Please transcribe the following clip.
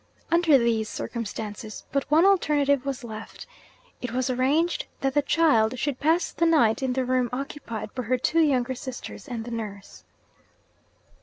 Under these circumstances, but one alternative was left. It was arranged that the child should pass the night in the room occupied by her two younger sisters and the nurse.